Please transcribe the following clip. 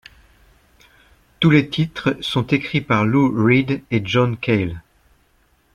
Tous les titres sont écrits par Lou Reed et John Cale.